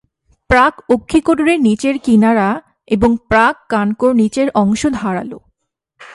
প্রাক-অক্ষিকোটরের নিচের কিনারা এবং প্রাক-কানকোর নিচের অংশ ধারালো।